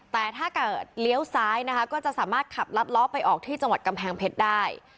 แต่ถ้าเกิดเลี้ยวซ้ายนะคะก็จะสามารถขับลัดล้อไปออกที่จังหวัดกำแพงเพชรได้